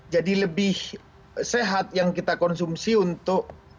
jadi lebih sehat yang kita konsumsi untuk